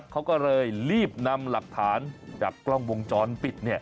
เขาก็เลยรีบนำหลักฐานจากกล้องวงจรปิด